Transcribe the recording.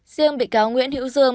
riêng bị cáo nguyễn hữu dương